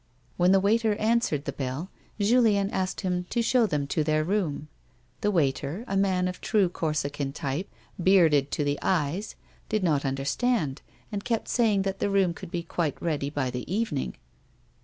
When the waiter answered the bell, Julien asked him to show them to their room ; the waiter, a man of true Corsican type, bearded to the eyes, did not understand, and kept saying that the room would be quite ready by the evening.